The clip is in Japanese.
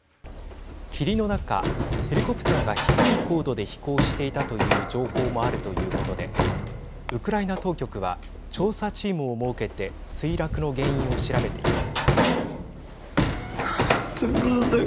霧の中、ヘリコプターが低い高度で飛行していたという情報もあるということでウクライナ当局は調査チームを設けて墜落の原因を調べています。